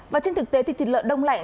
và trên thực tế thì thịt lợn đông lạnh